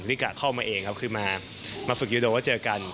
กะเข้ามาเองครับคือมาฝึกยูโดแล้วเจอกัน